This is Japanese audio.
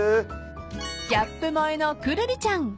［ギャップ萌えのくるりちゃん］